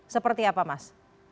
seperti apa mas